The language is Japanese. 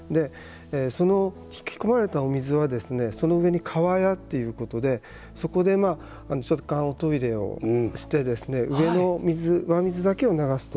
その引き込まれたお水はその上にかわやということでそこでトイレをして上の水、上水だけを流すと。